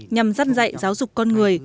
nhằm dắt dạy giáo dục con người